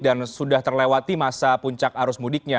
dan sudah terlewati masa puncak arus mudiknya